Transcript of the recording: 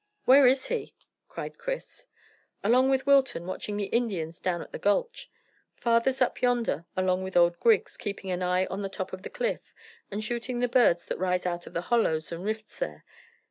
"Where is he?" cried Chris. "Along with Wilton, watching the Indians down at the gulch. Father's up yonder along with old Griggs, keeping an eye on the top of the cliff, and shooting the birds that rise out of the hollows and rifts there.